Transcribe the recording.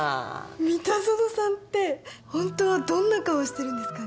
三田園さんってホントはどんな顔してるんですかね？